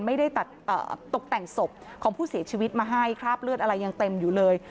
ไม่ได้ตัดตกแต่งศพของผู้เสียชีวิตมาให้คราบเลือดอะไรยังเต็มอยู่เลย